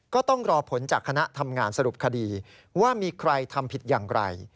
ก็ต้องรอผลจากคณะทำงานสรุปคดีว่ามีใครทำผิดอย่างไร